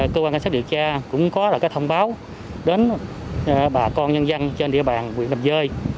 cơ quan cảnh sát điều tra cũng có thông báo đến bà con nhân dân trên địa bàn huyện đầm rơi